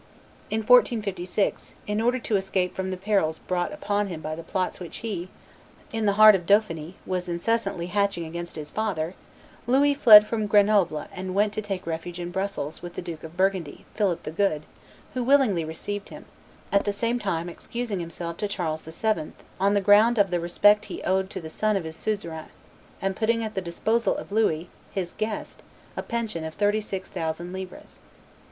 In 1456, in order to escape from the perils brought upon him by the plots which he, in the heart of Dauphiny, was incessantly hatching against his father, Louis fled from Grenoble and went to take refuge in Brussels with the Duke of Burgundy, Philip the Good, who willingly received him, at the same time excusing himself to Charles VII. "on the ground of the respect he owed to the son of his suzerain," and putting at the disposal of Louis, "his guest," a pension of thirty six thousand livres.